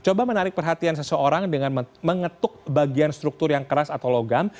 coba menarik perhatian seseorang dengan mengetuk bagian struktur yang keras atau logam